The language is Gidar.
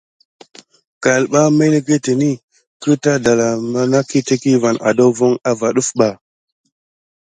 Kalbà meleketeni mqkuta dala ma taki avonba demi ke dansikiles.